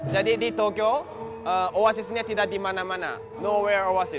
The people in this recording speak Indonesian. jadi di tokyo oasisnya tidak dimana mana